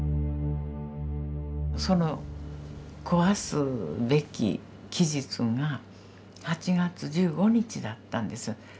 その壊すべき期日が８月１５日だったんです。